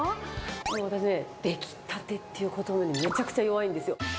私ね、出来たてっていうことばにめちゃくちゃ弱いんですよ。